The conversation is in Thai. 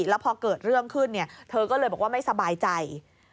แล้วพอเกิดเรื่องขึ้นเธอก็เลยบอกว่าไม่สบายใจ